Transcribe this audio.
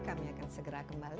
kami akan segera kembali